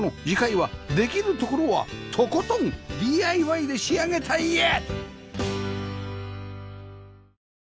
次回はできるところはとことん ＤＩＹ で仕上げた家